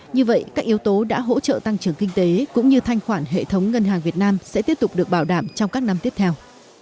như vậy các yếu tố đã hỗ trợ tăng trưởng kinh tế cũng như thanh khoản hệ thống ngân hàng việt nam sẽ tiếp tục được bảo đảm trong các năm tiếp theo